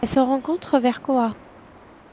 Elle se rencontre vers Kohat.